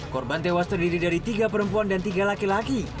korban tewas terdiri dari tiga perempuan dan tiga laki laki